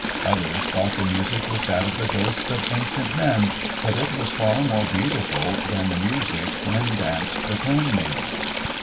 Others thought the music was that of the ghosts of ancient men, but it was far more beautiful than the music when danced the Corn Maidens.